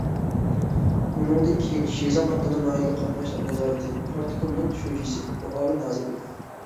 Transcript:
ئۇنىڭدىن كېيىن شىزاڭ ئاپتونوم رايونلۇق قاتناش نازارىتى پارتكومىنىڭ شۇجىسى، مۇئاۋىن نازىرى بولغان.